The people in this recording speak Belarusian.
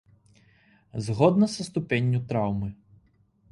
Згодна са ступенню траўмы.